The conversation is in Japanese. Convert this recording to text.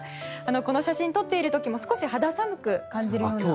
この写真を撮っている時も少し肌寒くなるような。